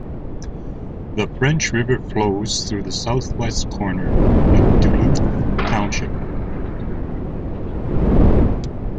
The French River flows through the southwest corner of Duluth Township.